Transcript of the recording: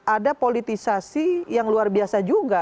ada politisasi yang luar biasa juga